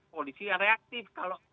polisi yang reaktif kalau